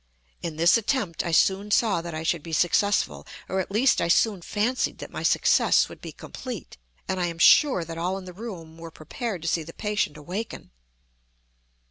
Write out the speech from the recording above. In this attempt I soon saw that I should be successful—or at least I soon fancied that my success would be complete—and I am sure that all in the room were prepared to see the patient awaken.